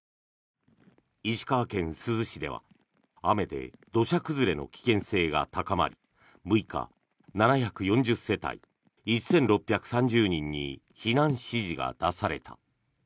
石川県珠洲市では雨で土砂崩れの危険性が高まり６日、７４０世帯１６３０人に避難指示が出された。